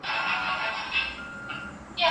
کولمې د سالم بدن لپاره مهمې دي.